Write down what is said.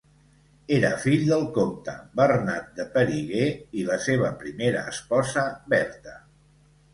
Era fill del comte Bernat de Périgueux i la seva primera esposa Berta.